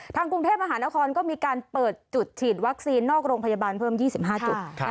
กรุงเทพมหานครก็มีการเปิดจุดฉีดวัคซีนนอกโรงพยาบาลเพิ่ม๒๕จุด